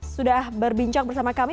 sudah berbincang bersama kami